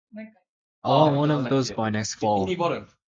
I want one of those by next fall.